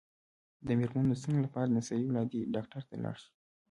د میرمنو د ستونزو لپاره د نسایي ولادي ډاکټر ته لاړ شئ